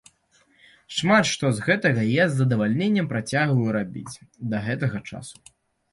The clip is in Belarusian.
Шмат што з гэтага я з задавальненнем працягваю рабіць да гэтага часу.